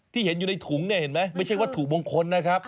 เห็นอยู่ในถุงเนี่ยเห็นไหมไม่ใช่วัตถุมงคลนะครับ